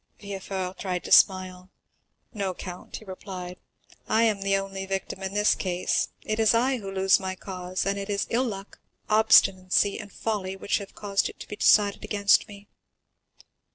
Villefort tried to smile. "No, count," he replied, "I am the only victim in this case. It is I who lose my cause, and it is ill luck, obstinacy, and folly which have caused it to be decided against me."